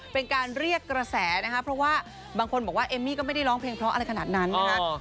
เป็นการเรียกกระแสนะคะเพราะว่าบางคนบอกว่าเอมมี่ก็ไม่ได้ร้องเพลงเพราะอะไรขนาดนั้นนะคะ